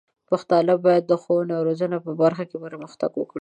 پښتانه بايد د ښوونې او روزنې په برخه کې پرمختګ وکړي.